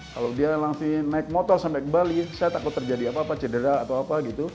kalau dia langsung naik motor sampai ke bali saya takut terjadi apa apa cedera atau apa gitu